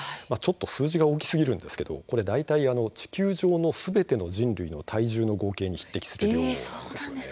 数字が大きすぎるんですけれどもこれは大体地球上のすべての人類の体重の合計に匹敵する量です。